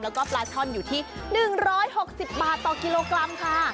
แล้วก็ปลาช่อนอยู่ที่๑๖๐บาทต่อกิโลกรัมค่ะ